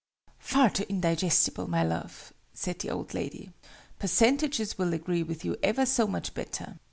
] "Far too indigestible, my love!" said the old lady. "Percentages will agree with you ever so much better!"